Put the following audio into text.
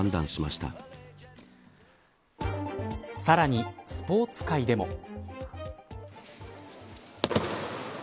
さらにスポーツ界でも。